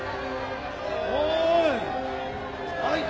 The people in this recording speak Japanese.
おい。